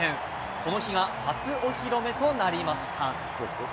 この日が初お披露目となりました。